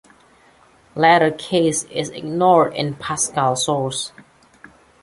Letter case is ignored in Pascal source.